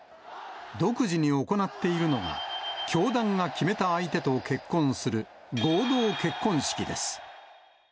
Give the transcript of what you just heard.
独自に行っているのが、教団が決めた相手と結婚する、合同結婚式です。